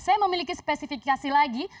saya memiliki spesifikasi lagi